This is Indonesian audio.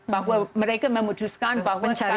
bahwa mereka memutuskan bahwa sekarang